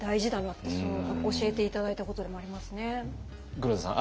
黒田さん